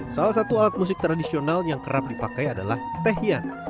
salah satu alat musik tradisional yang kerap dipakai adalah tehian